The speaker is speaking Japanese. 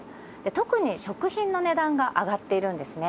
特に食品の値段が上がっているんですね。